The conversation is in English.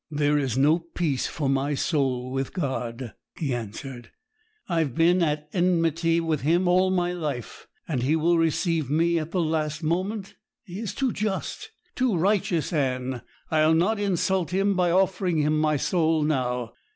'There is no peace for my soul with God,' he answered; 'I've been at enmity with Him all my life; and will He receive me at the last moment? He is too just, too righteous, Anne. I'll not insult Him by offering Him my soul now.